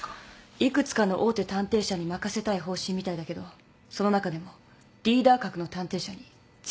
幾つかの大手探偵社に任せたい方針みたいだけどその中でもリーダー格の探偵社に全権を委任したいらしいの。